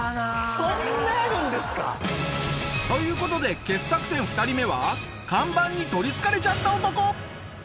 そんなあるんですか？という事で傑作選２人目は看板に取り憑かれちゃった男！